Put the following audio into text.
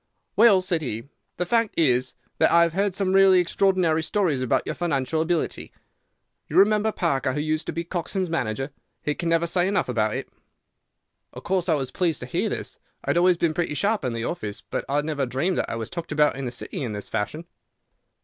"'Well,' said he, 'the fact is that I have heard some really extraordinary stories about your financial ability. You remember Parker, who used to be Coxon's manager? He can never say enough about it.' "Of course I was pleased to hear this. I had always been pretty sharp in the office, but I had never dreamed that I was talked about in the City in this fashion.